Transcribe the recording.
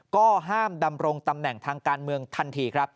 ก็ห้ามดำรงตำแหน่งทางการเมืองทันทีครับ